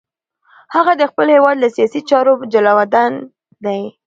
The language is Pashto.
هغه د خپل هېواد له سیاسي چارو جلاوطن دی.